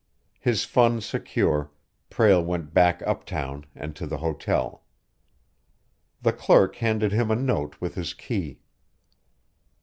His funds secure, Prale went back uptown and to the hotel. The clerk handed him a note with his key.